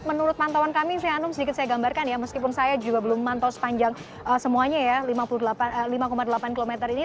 menurut pantauan kami saya hanum sedikit saya gambarkan ya meskipun saya juga belum memantau sepanjang semuanya ya lima delapan km ini